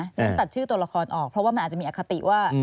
ฉะนั้นตัดชื่อตัวละครออกเพราะว่ามันอาจจะมีอคติว่า